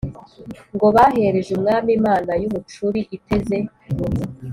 ngo bahereje umwami imana y'umucuri ( iteze ).